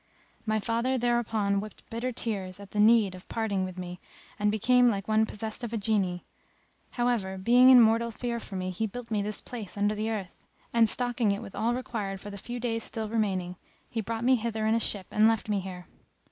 My father thereupon wept bitter tears at the need of parting with me and became like one possessed of a Jinni. However, being in mortal fear for me, he built me this place under the earth; and, stocking it with all required for the few days still remaining, he brought me hither in a ship and left me here.